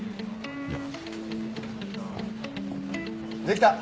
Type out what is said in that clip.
できた！